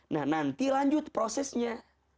nah nanti lanjut prosesnya